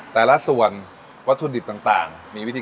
แต่ละส่วนวัตถุดิบต่าง